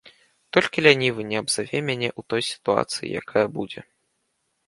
Толькі лянівы не абзаве мяне ў той сітуацыі, якая будзе.